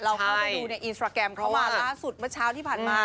เข้าไปดูในอินสตราแกรมเขามาล่าสุดเมื่อเช้าที่ผ่านมา